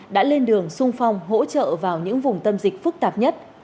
đã lên đường sung phong hỗ trợ vào những vùng tâm dịch phức tạp nhất